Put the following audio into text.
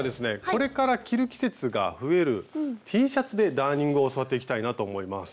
これから着る季節が増えるＴシャツでダーニングを教わっていきたいなと思います。